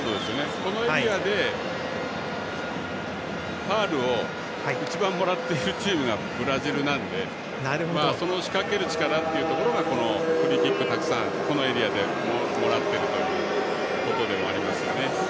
このエリアでファウルを一番もらっているというのがブラジルなのでその仕掛ける力というところがフリーキックをたくさんこのエリアでもらっているということではありますかね。